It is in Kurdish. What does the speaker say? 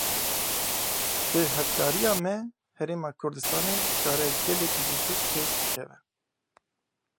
Bi hevkariya me Herêma Kurdistanê dikare gelekî zûtir pêş bikeve.